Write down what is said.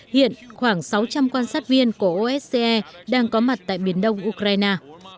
hiện khoảng sáu trăm linh quan sát viên của osce đang có mặt tại miền đông ukraine